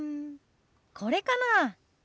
これかな。